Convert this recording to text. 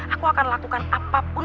aku akan lakukan apapun